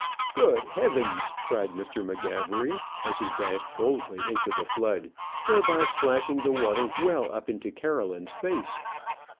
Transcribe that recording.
"Good heavens!" cried Mr. M'Gabbery, as he dashed boldly into the flood, thereby splashing the water well up into Caroline's face.